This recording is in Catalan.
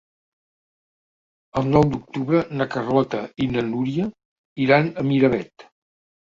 El nou d'octubre na Carlota i na Núria iran a Miravet.